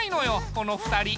この２人。